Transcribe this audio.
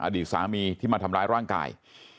อดีตสามีที่มาทำร้ายร่างกาย